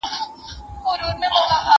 که وخت وي پاکوالي ساتم